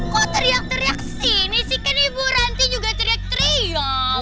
kok teriak teriak sini sih kan ibu ranti juga teriak teriak